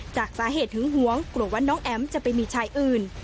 จากสาเหตุหึงหวงกลัวว่าน้องแอ๋มจะไปมีชายอื่น